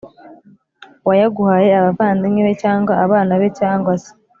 wayaguhaye abavandimwe be cyangwa abana be cyangwa se